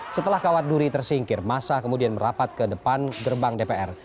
setelah kawat duri tersingkir masa kemudian merapat ke depan gerbang dpr